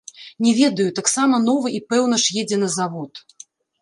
Не ведаю, таксама новы і пэўна ж едзе на завод.